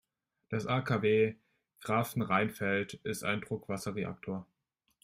Das AKW Grafenrheinfeld ist ein Druckwasserreaktor.